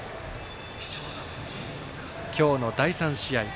今日の第３試合。